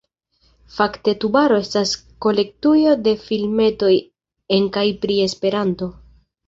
Fakte Tubaro estas kolektujo de filmetoj en kaj pri Esperanto.